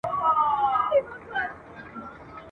خلکو خبرسی له اعلانونو ..